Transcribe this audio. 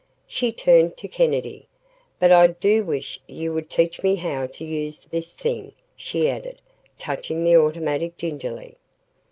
She turned to Kennedy. "But I do wish you would teach me how to use this thing," she added, touching the automatic gingerly.